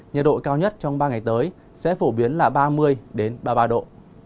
nhiệt độ cao nhất trong ba ngày tới sẽ phổ biến là ba mươi ba mươi ba độ